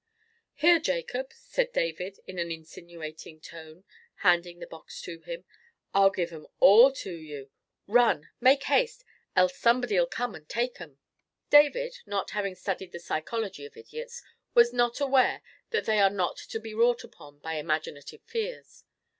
"Here, Jacob," said David, in an insinuating tone, handing the box to him, "I'll give 'em all to you. Run!—make haste!—else somebody'll come and take 'em." David, not having studied the psychology of idiots, was not aware that they are not to be wrought upon by imaginative fears.